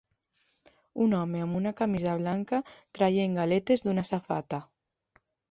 Un home amb una camisa blanca traient galetes d'una safata.